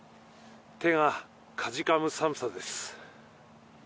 手がかじかむ寒さです。